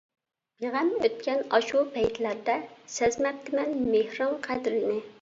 بىغەم ئۆتكەن ئاشۇ پەيتلەردە، سەزمەپتىمەن مېھرىڭ قەدرىنى.